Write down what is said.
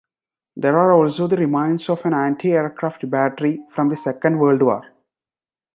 There are also the remains of an anti-aircraft battery from the Second World War.